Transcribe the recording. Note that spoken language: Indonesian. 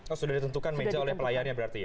oh sudah ditentukan meja oleh pelayannya berarti ya